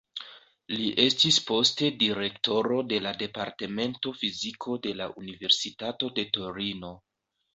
Li estis poste direktoro de la Departemento Fiziko de la Universitato de Torino.